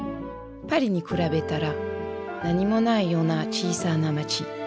パリに比べたら何もないような小さな町。